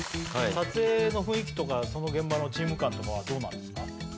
撮影の雰囲気とか現場のチーム感とかはどうなんですか？